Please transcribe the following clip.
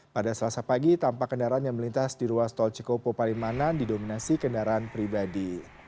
pada selasa pagi tampak kendaraan yang melintas di ruas tol cikopo palimanan didominasi kendaraan pribadi